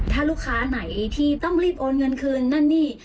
ถ้าลูกค้าไหนที่ต้องรีบโอนเงินคืนนั่นนี่